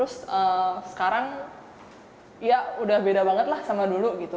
terus sekarang ya udah beda banget lah sama dulu gitu